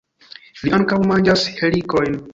Ili ankaŭ manĝas helikojn.